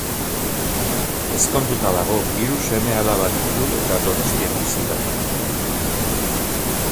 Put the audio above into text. Ezkonduta dago, hiru seme-alaba ditu eta Donostian bizi da.